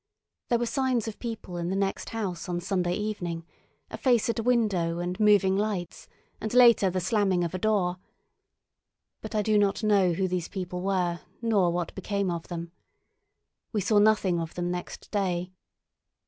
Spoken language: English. There were signs of people in the next house on Sunday evening—a face at a window and moving lights, and later the slamming of a door. But I do not know who these people were, nor what became of them. We saw nothing of them next day.